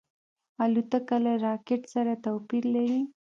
الوتکه له راکټ سره توپیر لري.